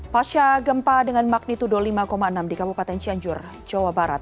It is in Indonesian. pasca gempa dengan magnitudo lima enam di kabupaten cianjur jawa barat